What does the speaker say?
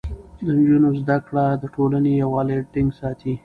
د نجونو زده کړه د ټولنې يووالی ټينګ ساتي.